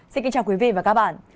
xin kính chào quý vị và các bạn